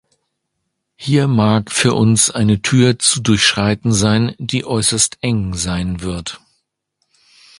Hier mag für uns eine Tür zu durchschreiten sein, die äußerst eng sein wird.